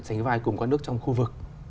sánh vai cùng các nước trong khu vực